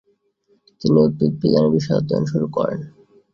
তিনি উদ্ভিদবিজ্ঞান বিষয়ে অধ্যয়ন শুরু করেন।